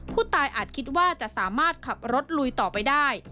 อาจคิดว่าจะสามารถขับรถลุยต่อไปได้